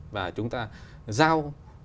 và chúng ta giao